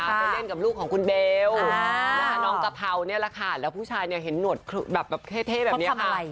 เป็นเล่นกับลูกของคุณเบลว์น้องกระเภาและผู้ชายแค่เห็นหัวเห็ดดีแบบนี้ค่ะ